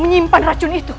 menyimpan racun itu